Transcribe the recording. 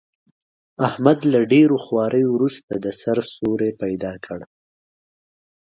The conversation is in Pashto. احمد له ډېرو خواریو ورسته، د سر سیوری پیدا کړ.